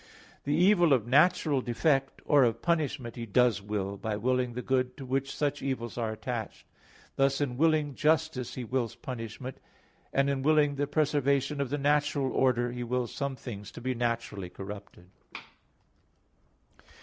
The evil of natural defect, or of punishment, He does will, by willing the good to which such evils are attached. Thus in willing justice He wills punishment; and in willing the preservation of the natural order, He wills some things to be naturally corrupted.